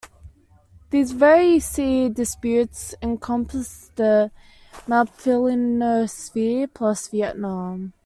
These very sea disputes encompass the Maphilindo sphere, plus Vietnam.